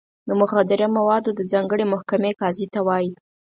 د مخدره موادو د ځانګړې محکمې قاضي ته وایي.